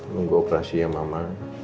nunggu operasi ya mama